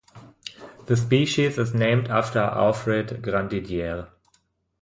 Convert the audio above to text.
The species is named after Alfred Grandidier.